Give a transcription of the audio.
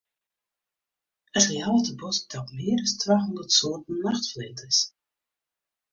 It Ljouwerter Bosk telt mear as twa hûndert soarten nachtflinters.